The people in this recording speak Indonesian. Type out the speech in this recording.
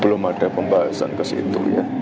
belum ada pembahasan ke situ ya